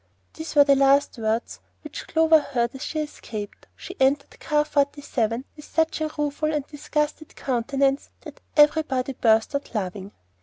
These were the last words which Clover heard as she escaped. She entered Car Forty seven with such a rueful and disgusted countenance that everybody burst out laughing.